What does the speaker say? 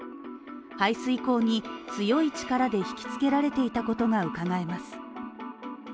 排水口に強い力で引きつけられていたことがうかがえます。